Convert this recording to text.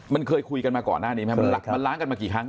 มันเคยคุยกันมาก่อนหน้านี้ไหมมันล้างกันมากี่ครั้ง